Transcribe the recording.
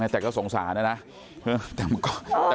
แต่ก็สงสารนะนะ